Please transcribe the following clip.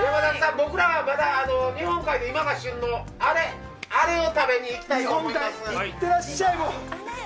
僕ら、また日本海で今が旬のあれを食べに行きたいと思います。